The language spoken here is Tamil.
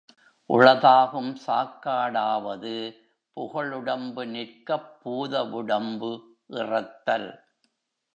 உளதாகும் சாக்காடாவது புகழுடம்பு நிற்கப் பூதவுடம்பு இறத்தல்.